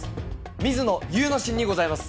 水野祐之進にございます。